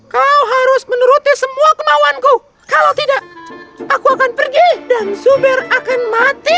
kau harus menuruti semua kemauanku kalau tidak aku akan pergi dan sumber akan mati